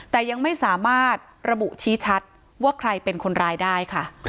แต่ยังไม่สามารถระบุชี้ชัดว่าใครเป็นคนร้ายได้ค่ะ